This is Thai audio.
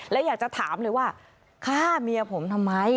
และอยากจะถามเลยว่าฆ่าเมียผมทำไม